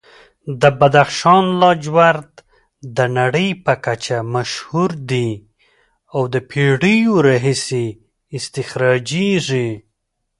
د بدخشان لاجورد د نړۍ په کچه مشهور دي او د پېړیو راهیسې استخراجېږي.